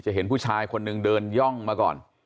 เห็นผู้ชายคนหนึ่งเดินย่องมาก่อน